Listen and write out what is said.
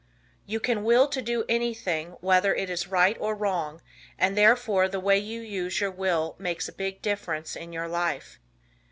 You can Will to do anything whether it is right or wrong, and therefore the way you use your will makes a big difference in your life.